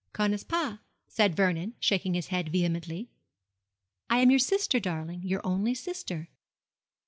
Connais pas,' said Vernon, shaking his head vehemently. 'I am your sister, darling, your only sister.'